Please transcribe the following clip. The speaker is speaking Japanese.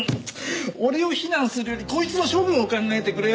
俺を非難するよりこいつの処分を考えてくれよ。